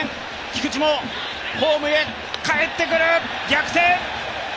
菊池もホームへ帰ってくる、逆転！